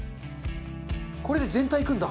これで全体いくんだ。